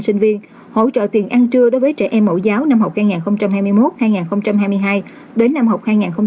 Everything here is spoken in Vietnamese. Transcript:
sinh viên hỗ trợ tiền ăn trưa đối với trẻ em mẫu giáo năm học hai nghìn hai mươi một hai nghìn hai mươi hai đến năm học hai nghìn hai mươi hai nghìn hai mươi năm